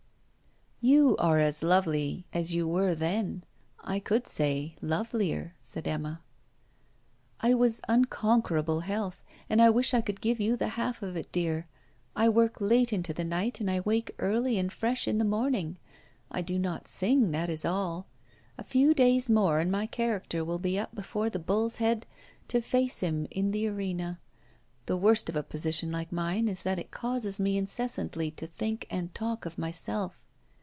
'You are as lovely as you were then I could say, lovelier,' said Emma. 'I have unconquerable health, and I wish I could give you the half of it, dear. I work late into the night, and I wake early and fresh in the morning. I do not sing, that is all. A few days more, and my character will be up before the Bull's Head to face him in the arena. The worst of a position like mine is, that it causes me incessantly to think and talk of myself.